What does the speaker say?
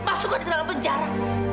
masuklah di dalam penjara